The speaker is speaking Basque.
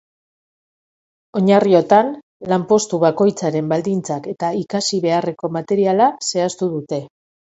Oinarriotan, lan postu bakoitzaren baldintzak eta ikasi beharreko materiala zehaztu dute.